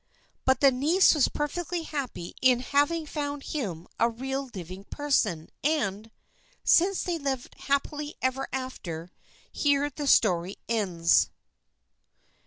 But the niece was perfectly happy in having found him a real living person, and since they lived happily ever after here the story ends.